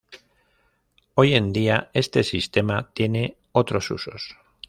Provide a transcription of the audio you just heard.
Hoy en día, este sistema tiene otros usos.